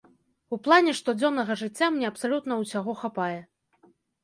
У плане штодзённага жыцця мне абсалютна ўсяго хапае.